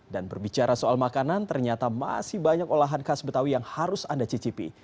dan berbicara soal makanan ternyata masih banyak olahan khas betawi yang harus anda cicipi